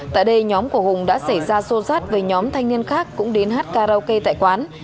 tại đây nhóm của hùng đã xảy ra xô xát với nhóm thanh niên khác cũng đến hát karaoke tại quán